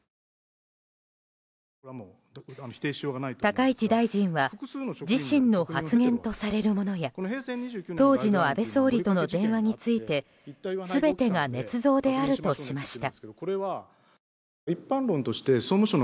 高市大臣は自身の発言とされるものや当時の安倍総理との電話について全てがねつ造であるとしました。